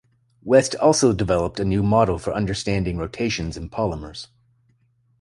West also developed a new model for understanding rotations in polymers.